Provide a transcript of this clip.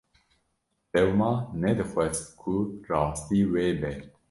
Lewma nedixwest ku rastî wê bê.